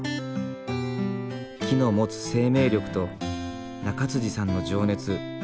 木の持つ生命力と中さんの情熱。